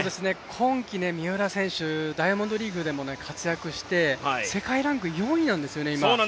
今季、三浦選手、ダイヤモンドリーグでも活躍をして、世界ランク４位なんですよね、今。